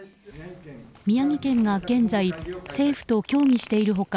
宮城県が現在、政府と協議している他